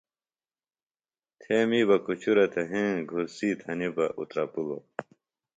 تھے می بہ کُچُرہ تھےۡ ہیں گھورڅیۡ تھنیۡ بہ اُترپِلوۡ